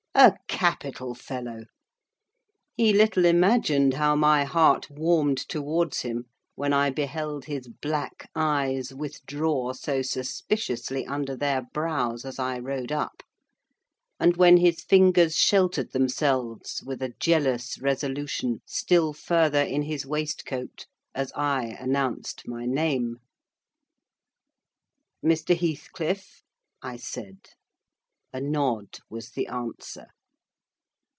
A capital fellow! He little imagined how my heart warmed towards him when I beheld his black eyes withdraw so suspiciously under their brows, as I rode up, and when his fingers sheltered themselves, with a jealous resolution, still further in his waistcoat, as I announced my name. "Mr. Heathcliff?" I said. A nod was the answer.